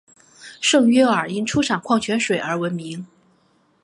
圣约尔因出产矿泉水而闻名。